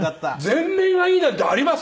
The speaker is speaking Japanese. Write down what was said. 全面がいいなんてあります？